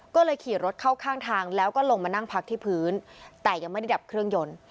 ก็เลยขี่รถเข้าข้างทางแล้วก็ลงมานั่งพักที่พื้นแต่ยังไม่ได้ดับเครื่องยนต์